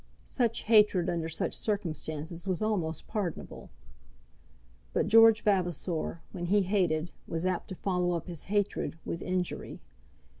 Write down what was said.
Such hatred under such circumstances was almost pardonable. But George Vavasor, when he hated, was apt to follow up his hatred with injury.